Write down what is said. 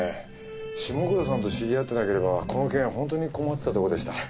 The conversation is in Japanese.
下倉さんと知り合ってなければこの件本当に困ってたとこでした。